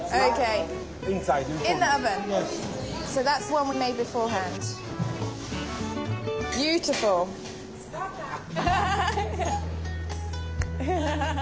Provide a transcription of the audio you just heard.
アハハハハ。